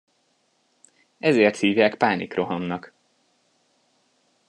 Ezért hívják pánikrohamnak!